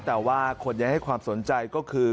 แต่ว่าคนยังให้ความสนใจก็คือ